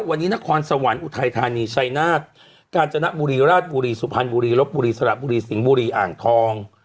วันนี้นครสวรรค์อุทัยธานีชัยนาฏกาญจนบุรีราชบุรีสุพรรณบุรีลบบุรีสระบุรีสิงห์บุรีอ่างทอง